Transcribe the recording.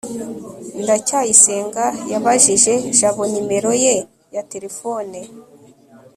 ndacyayisenga yabajije jabo nimero ye ya terefone